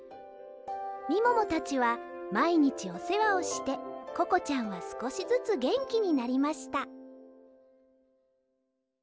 みももたちはまいにちおせわをしてココちゃんはすこしずつげんきになりました